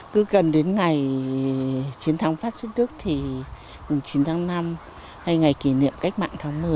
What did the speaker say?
cứ gần đến ngày chiến thắng phát xít đức thì chín tháng năm hay ngày kỷ niệm cách mạng tháng một mươi